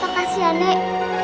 makasih ya nenek